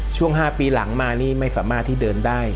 ช่วง๕ปีหลังมานี่ไม่สามารถที่เดินได้